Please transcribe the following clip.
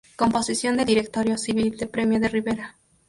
Composición del Directorio civil de Primo de Rivera